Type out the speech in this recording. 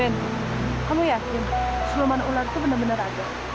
ben kamu yakin sulaman ular itu bener bener ada